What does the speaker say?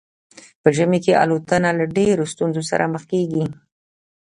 په ژمي کې الوتنه له ډیرو ستونزو سره مخ کیږي